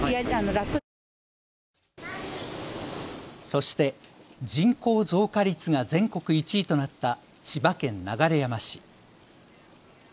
そして人口増加率が全国１位となった千葉県流山市。